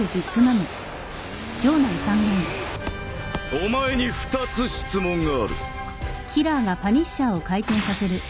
お前に２つ質問がある。